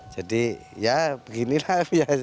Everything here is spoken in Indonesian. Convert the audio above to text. jadi ya beginilah